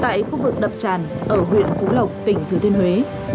tại khu vực đập tràn ở huyện phú lộc tỉnh thừa thiên huế